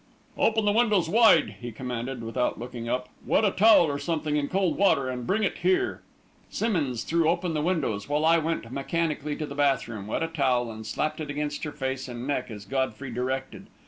"Open the windows wide," he commanded, without looking up. "Wet a towel, or something, in cold water, and bring it here." Simmonds threw open the windows, while I went mechanically to the bath room, wet a towel, and slapped it against her face and neck as Godfrey directed.